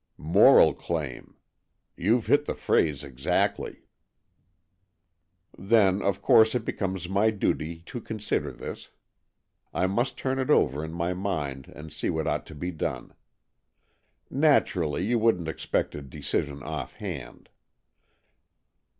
"Moral claim. You've hit the phrase exactly." " Then, of course, it becomes my duty to consider this. I must turn it over in my AN EXCHANGE OF SOULS 107 mind, and see what ought to be done. Natur ally, you wouldn't expect a decision off hand."